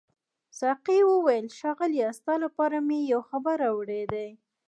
ساقي وویل ښاغلیه ستا لپاره مې یو خبر راوړی دی.